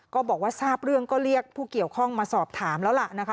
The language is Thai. ก็บอกว่าทราบเรื่องก็เรียกผู้เกี่ยวข้องมาสอบถามแล้วล่ะนะคะ